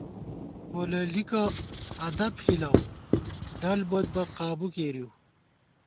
پولېلِکہ ادب ہِلَؤ ، ڈل بوت بہ قابُو کېرِؤ